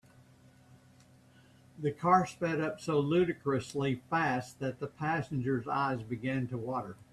The car sped up so ludicrously fast that the passengers eyes began to water.